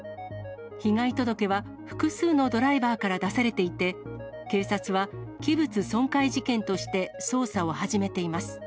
被害届は複数のドライバーから出されていて、警察は器物損壊事件として捜査を始めています。